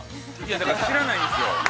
◆だから、知らないんですよ。